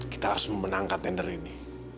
kita harus memenangkan tender ini